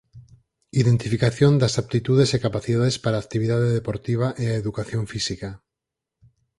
Identificación das aptitudes e capacidades para a actividade deportiva e a educación física.